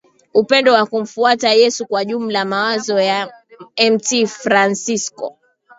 upendo ya kumfuata Yesu Kwa jumla mawazo ya Mt Fransisko